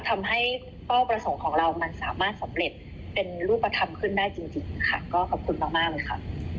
ก็ขอบคุณมากเลยค่ะ